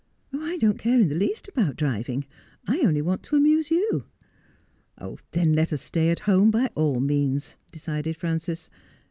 ' I don't care in the least about driving ; I only want to amuse you.' ' Then let us stay at home by all means,' decided Frances.